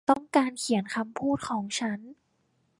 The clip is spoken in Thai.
ฉันต้องการเขียนคำพูดของฉัน